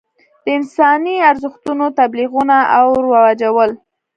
د انساني ارزښتونو تبلیغول او رواجول.